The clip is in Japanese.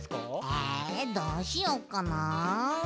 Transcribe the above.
えどうしよっかな？